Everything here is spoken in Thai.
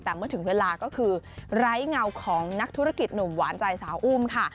แต่เมื่อถึงเวลาก็คือไร้เงาของนักธุรกิจหนุ่มหวานใจสาวอุ้มค่ะ